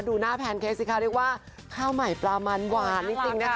ดูหน้าแพนเค้กสิคะเรียกว่าข้าวใหม่ปลามันหวานจริงนะคะ